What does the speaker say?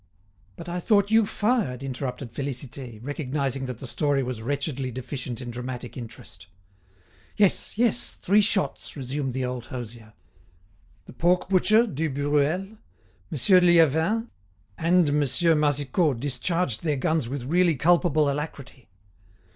"But I thought you fired," interrupted Félicité, recognising that the story was wretchedly deficient in dramatic interest. "Yes, yes, three shots," resumed the old hosier. "The pork butcher Dubruel, Monsieur Lievin, and Monsieur Massicot discharged their guns with really culpable alacrity."